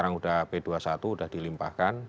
sekarang sudah p dua puluh satu sudah dilimpahkan